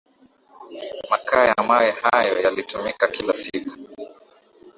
makaa ya mawe hayo yalitumika kila siku